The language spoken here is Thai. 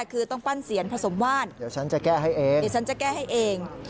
คือต้องปั้นเสียนผสมว่านเดี๋ยวฉันจะแก้ให้เอง